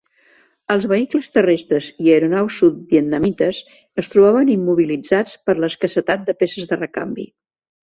Els vehicles terrestres i aeronaus sud-vietnamites es trobaven immobilitzats per l'escassetat de peces de recanvi.